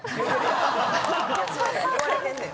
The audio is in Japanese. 言われてんねん。